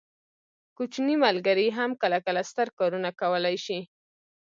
کوچني ملګري هم کله کله ستر کارونه کولی شي.